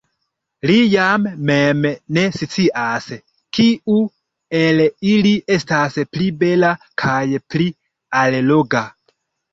Li jam mem ne scias, kiu el ili estas pli bela kaj pli alloga.